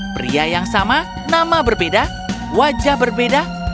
pria yang sama nama berbeda wajah berbeda